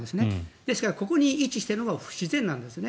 ですからここに位置しているのが不自然なんですね。